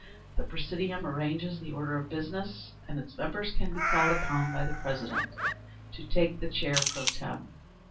The presidium arranges the Order of Business, and its members can be called upon by the President to take the chair _pro tem.